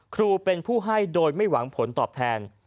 ครูเป็นผู้ให้โดยไม่หวังผลตอบแทน